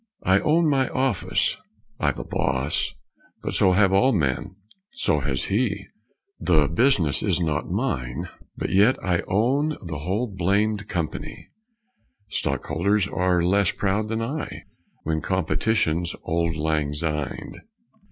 I own my office (I've a boss, But so have all men so has he); The business is not mine, but yet I own the whole blamed company; Stockholders are less proud than I When competition's auld lang syned.